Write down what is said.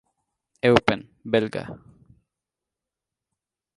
Eupen Belga.